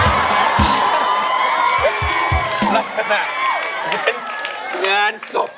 รักษณะเย็นเงินสบ